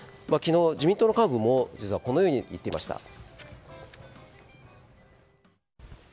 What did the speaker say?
昨日、自民党の幹部も実はこのように言っていました。